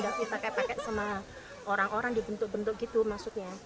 udah dipakai pakai sama orang orang dibentuk bentuk gitu maksudnya